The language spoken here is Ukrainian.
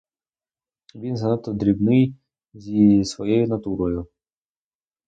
Він занадто дрібний зі своєю натурою.